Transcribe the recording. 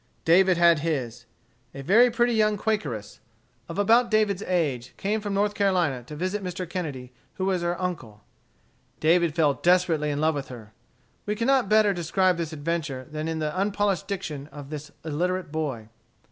David had his. A very pretty young Quakeress, of about David's age, came from North Carolina to visit Mr. Kennedy, who was her uncle. David fell desperately in love with her. We cannot better describe this adventure than in the unpolished diction of this illiterate boy.